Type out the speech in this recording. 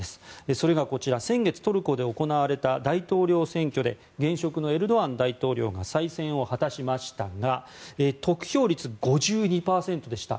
それが先月、トルコで行われた大統領選挙で現職のエルドアン大統領が再選を果たしましたが得票率５２％でした。